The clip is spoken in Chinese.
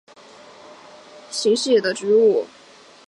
红点梯形蟹为扇蟹科梯形蟹属的动物。